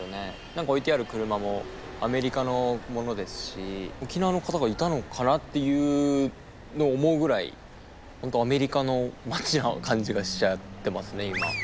何か置いてある車もアメリカのものですし沖縄の方がいたのかなっていうのを思うぐらいアメリカの街な感じがしちゃってますね今。